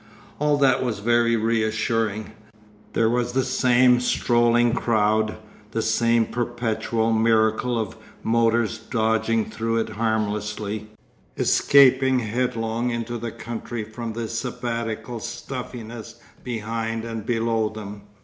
All that was very reassuring. There was the same strolling crowd, the same perpetual miracle of motors dodging through it harmlessly, escaping headlong into the country from the Sabbatical stuffiness behind and below them.